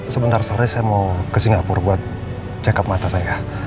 sebentar sore saya mau ke singapura buat check up mata saya